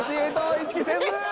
一致せず！